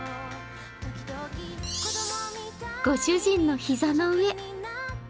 ご主人の膝の上。